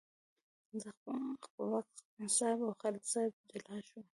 زه، خپلواک صاحب او خالد صاحب جلا شوو.